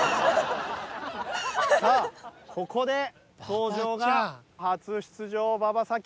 さあここで登場が初出場馬場咲希。